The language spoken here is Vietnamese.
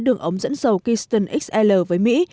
đường ống dẫn dầu keystone xl với mỹ